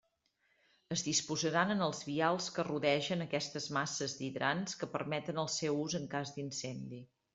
Es disposaran en els vials que rodegen aquestes masses d'hidrants que permeten el seu ús en cas d'incendi.